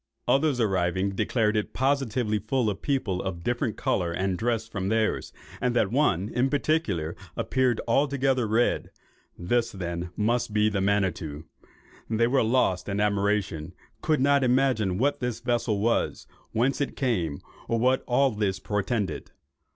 Others arriving, declared it positively to be full of people, of different colour and dress from theirs, and that one, in particular, appeared altogether red. This then must be the Manitto. They were lost in admiration; could not imagine what the vessel was, whence it came, or what all this portended.